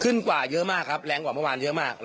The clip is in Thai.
ขึ้นกว่าเยอะมากครับแรงกว่าเมื่อวานเยอะมาก